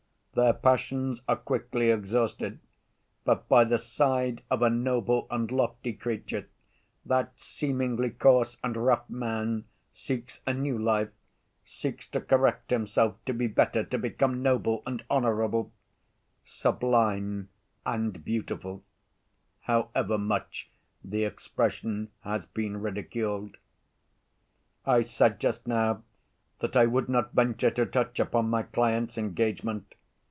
Their passions are quickly exhausted; but, by the side of a noble and lofty creature that seemingly coarse and rough man seeks a new life, seeks to correct himself, to be better, to become noble and honorable, 'sublime and beautiful,' however much the expression has been ridiculed. "I said just now that I would not venture to touch upon my client's engagement.